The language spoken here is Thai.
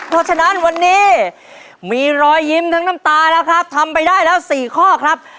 เพราะฉะนั้นวันนี้มีรอยยิ้มทั้งน้ำตาแล้วครับทำไปได้แล้ว๔ข้อครับ